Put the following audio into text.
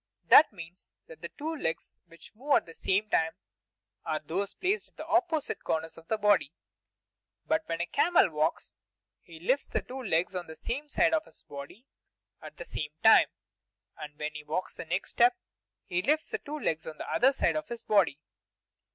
That means that the two legs which move at the same time are those placed at the opposite corners of his body. But when a camel walks, he lifts the two legs on the same side of his body at the same time. And when he takes the next step, he lifts the two legs on the other side of his body.